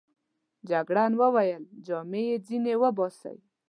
جګړن وویل: جامې يې ځینې وباسئ.